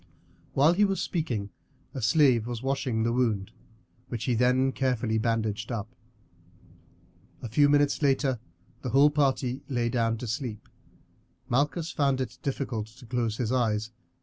While he was speaking a slave was washing the wound, which he then carefully bandaged up. A few minutes later the whole party lay down to sleep. Malchus found it difficult to close his eyes.